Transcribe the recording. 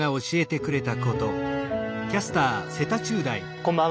こんばんは。